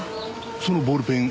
そのボールペン